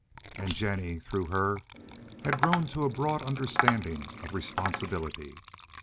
And Jennie, through her, had grown to a broad understanding of responsibility.